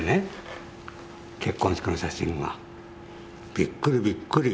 びっくりびっくり。